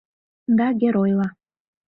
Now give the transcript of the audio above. Да, геройла.